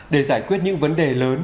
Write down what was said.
để giải quyết những vấn đề lớn